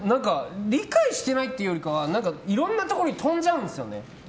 理解してないというよりいろんなところに飛んじゃうんですよね。